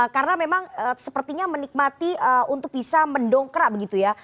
karena memang sepertinya menikmati untuk bisa mendongkrak begitu ya